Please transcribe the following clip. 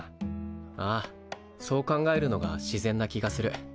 ああそう考えるのが自然な気がする。